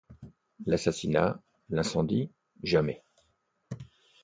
L'assassinat, l'incendie, jamais!